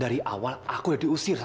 dari awal aku udah diusir